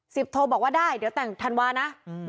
โทบอกว่าได้เดี๋ยวแต่งธันวานะ